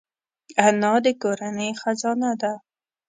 انا د کورنۍ خزانه ده